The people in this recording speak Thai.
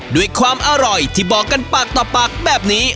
ด้วยความอร่อยที่บอกกันปากต่อปากแบบนี้